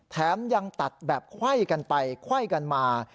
แถมยังตัดแบบไขว้กันไปไขว้กันมา